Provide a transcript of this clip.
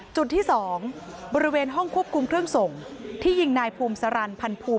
จุดที่๒บริเวณห้องควบคุมเครื่องส่งที่ยิงนายภูมิสารันพันภูมิ